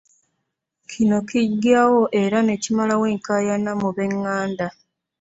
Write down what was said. Kino kiggyawo era ne kimalawo enkaayana mu b'enganda.